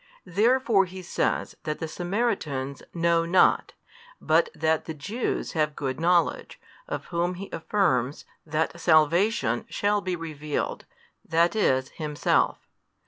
Therefore He says that the Samaritans know not, but that the Jews have good knowledge, of whom He affirms, that salvation shall be revealed, that is Himself.